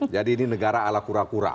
jadi ini negara ala kura kura